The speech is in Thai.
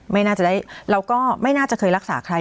ไม่น่าจะได้เราก็ไม่น่าจะเคยรักษาใคร